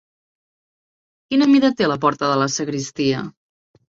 Quina mida té la porta de la sagristia?